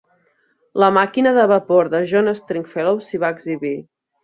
La màquina de vapor de John Stringfellow s'hi va exhibir.